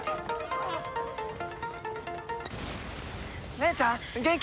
姉ちゃん元気！？